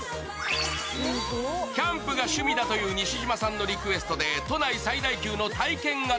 キャンプが趣味だという西島さんのリクエストで都内最大級の体験型